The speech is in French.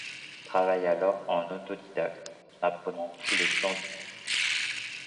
Il travaille alors en autodidacte en apprenant tous les plans du maître.